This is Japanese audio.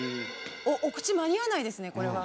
お口間に合わないですねこれは。